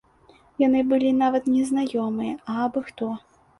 Яны былі нават не знаёмыя, а абы-хто.